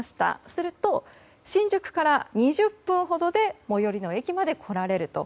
すると、新宿から２０分ほどで最寄りの駅まで来られると。